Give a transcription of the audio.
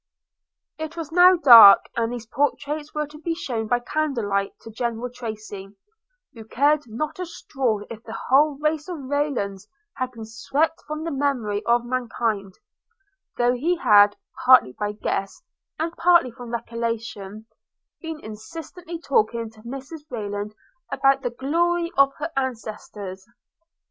It was now dark, and these portraits were to be shewn by candlelight to General Tracy, who cared not a straw if the whole race of Raylands had been swept from the memory of mankind; though he had, partly by guess, and partly from recollection, been incessantly talking to Mrs Rayland about the glory of her ancestors.